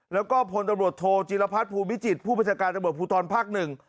แล้วก็พลตำรวจโทจีรพัฒน์ภูมิจิตผู้บัญชาการตำรวจภูทรภาคหนึ่ง